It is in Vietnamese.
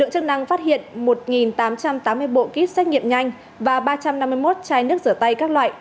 chức năng phát hiện một tám trăm tám mươi bộ kit xét nghiệm nhanh và ba trăm năm mươi một chai nước rửa tay các loại